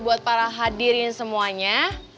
buat para hadirin semuanya